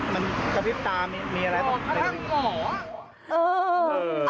มันสะพริบตามมีอะไรบ้าง